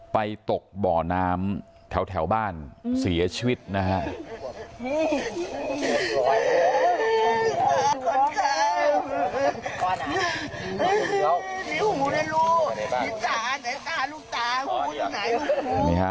ตกบ่อน้ำแถวบ้านเสียชีวิตนะฮะ